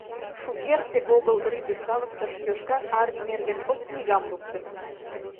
Шукерте огыл Рӱдӧ савыктыш Йошкар Армий нерген кок книгам луктын.